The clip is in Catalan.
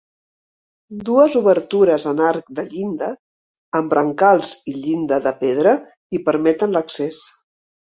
Dues obertures en arc de llinda, amb brancals i llinda de pedra hi permeten l'accés.